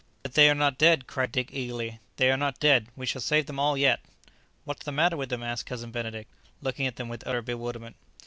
"But they are not dead," cried Dick eagerly; "they are not dead; we shall save them all yet!" "What's the matter with them?" asked Cousin Benedict, looking at them with utter bewilderment.